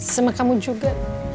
sama kamu juga